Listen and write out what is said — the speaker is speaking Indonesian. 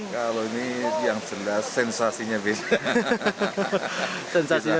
kalau ini yang jelas sensasinya beda